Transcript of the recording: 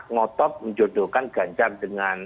ngotot menjodohkan ganjar dengan